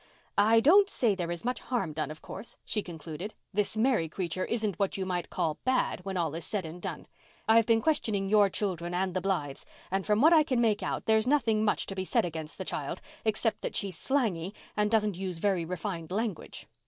"I don't say there is much harm done, of course," she concluded. "This Mary creature isn't what you might call bad, when all is said and done. I've been questioning your children and the Blythes, and from what I can make out there's nothing much to be said against the child except that she's slangy and doesn't use very refined language.